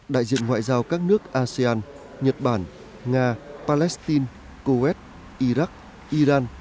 đại diện ngoại giao các nước asean nhật bản nga palestine coes iraq iran